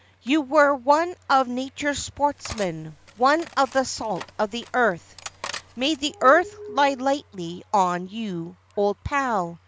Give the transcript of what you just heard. You were one of Nature's sportsmen : one of the salt of the earth. May the earth lie lightly on you, old pal.